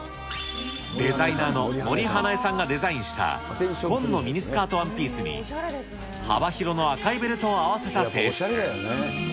デザイナーの森英恵さんがデザインした紺のミニスカートワンピースに、幅広の赤いベルトを合わせた制服。